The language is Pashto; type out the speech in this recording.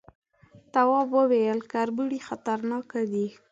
تواب وويل، کربوړي خطرناکه دي.